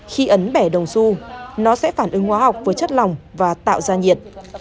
khi ấn bẻ đồng su nó sẽ phản ứng hóa học với chất lòng và tạo ra nhiệt